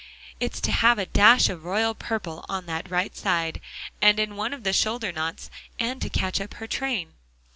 "It's to have a dash of royal purple on that right side, and in one of the shoulder knots, and to catch up her train."